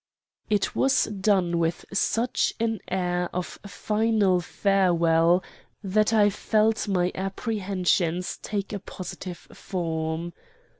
"It was done with such an air of final farewell, that I felt my apprehensions take a positive form.